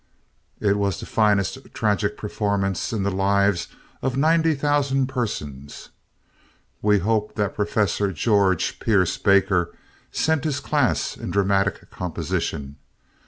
It was the finest tragic performance in the lives of ninety thousand persons. We hope that Professor George Pierce Baker sent his class in dramatic composition.